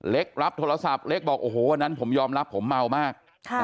รับโทรศัพท์เล็กบอกโอ้โหวันนั้นผมยอมรับผมเมามาก